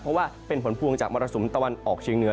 เพราะว่าเป็นผลพวงจากมรสุมตะวันออกเชียงเหนือ